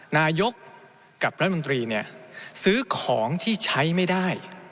นายกกับรัฐมนตรีเนี่ยซื้อของที่ใช้ไม่ได้